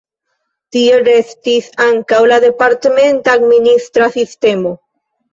Tiel restis ankaŭ la departementa administra sistemo.